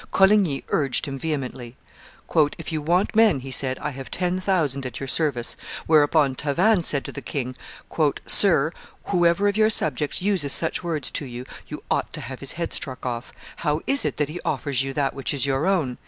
Coligny urged him vehemently. "If you want men," he said, "I have ten thousand at your service;" whereupon Tavannes said to the king, "Sir, whoever of your subjects uses such words to you, you ought to have his head struck off. How is it that he offers you that which is your own?